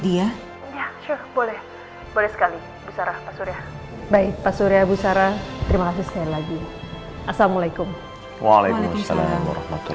dia boleh boleh sekali baik pasurya bu sarah terima kasih lagi assalamualaikum waalaikumsalam